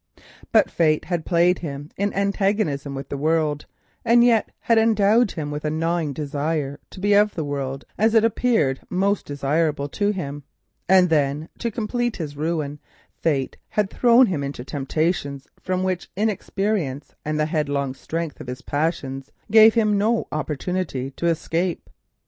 But fate had placed him in antagonism with the world, and yet had endowed him with a gnawing desire to be of the world, as it appeared most desirable to him; and then, to complete his ruin circumstances had thrown him into temptations from which inexperience and the headlong strength of his passions gave him no opportunity to escape.